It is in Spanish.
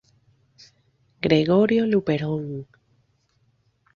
Gregorio Luperón".